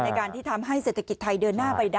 การที่ทำให้เศรษฐกิจไทยเดินหน้าไปได้